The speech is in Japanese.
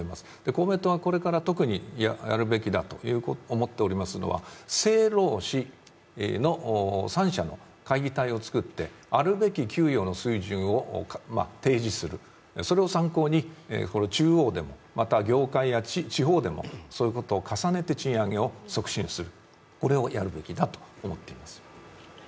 公明党がこれから特にやるべきだと思っておりますのは、政労使の３者の会議体を作ってあるべき給与の水準を提示する、それを参考に中央でも、また業界や地方でもそういうことを重ねて賃上げを促進する、これをやるべきだと思っています。